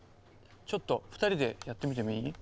ちょっと２人でやってみてもいい？